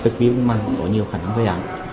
có nhiều khả năng với án